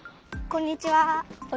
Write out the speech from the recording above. こんにちは。